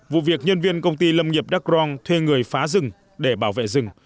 vụ việc nhân viên công ty lâm nhập đắc rông thuê người phá rừng để bảo vệ rừng